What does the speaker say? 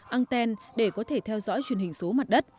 anten để có thể theo dõi truyền hình số mặt đất